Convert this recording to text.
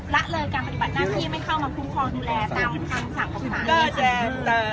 ละเลยการปฏิบัติหน้าที่ไม่เข้ามาภูมิความดูแลตามทางสั่งของพ่าน